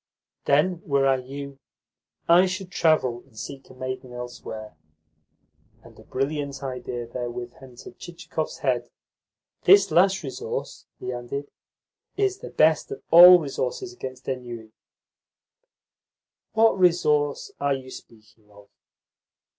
"Then, were I you, I should travel, and seek a maiden elsewhere." And a brilliant idea therewith entered Chichikov's head. "This last resource," he added, "is the best of all resources against ennui." "What resource are you speaking of?"